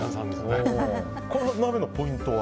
この鍋のポイントは？